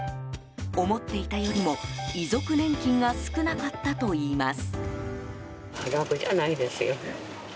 思っていたよりも、遺族年金が少なかったといいます。